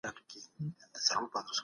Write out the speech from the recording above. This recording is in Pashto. د احمد شاه ابدالي لومړنی لقب څه و؟